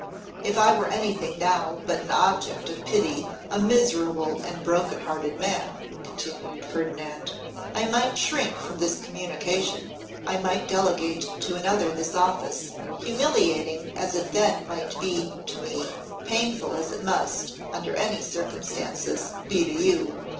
'If I were anything now but an object of pity, a miserable and broken hearted man,' continued Ferdinand, 'I might shrink from this communication; I might delegate to another this office, humiliating as it then might be to me, painful as it must, under any circumstances, be to you.